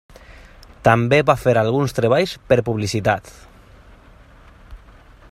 També va fer alguns treballs per publicitat.